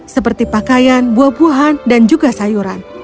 seperti pakaian buah buahan dan juga sayuran